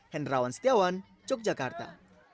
hendrawan setiawan yogyakarta